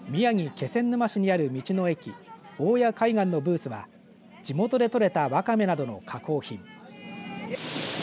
気仙沼市にある道の駅大谷海岸のブースは地元でとれたワカメなどの加工品。